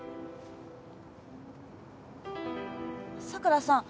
桜さん。